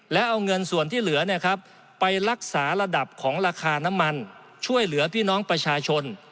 แล้วเอาเงินส่วนที่เหลือไปรักษาระดับของราคาน้ำมันช่วยเหลือพี่น้องประชาชน